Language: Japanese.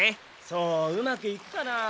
そううまくいくかな？